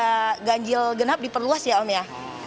kan kanjil genap diperluas ya om ya